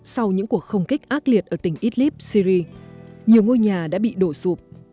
sau những cuộc không kích ác liệt ở tỉnh idlib syri nhiều ngôi nhà đã bị đổ sụp